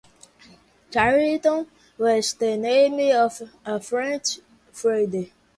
Chariton was the name of a French trader.